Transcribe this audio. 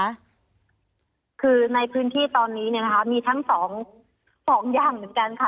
คือในพื้นที่ตอนนี้มีทั้ง๒อย่างเหมือนกันค่ะ